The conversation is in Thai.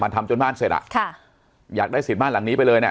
ทำจนบ้านเสร็จอ่ะค่ะอยากได้สิทธิ์บ้านหลังนี้ไปเลยเนี่ย